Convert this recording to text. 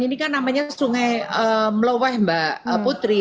ini kan namanya sungai meloweh mbak putri